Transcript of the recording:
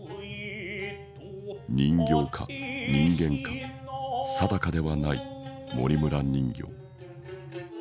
人形か人間か定かではない森村人形。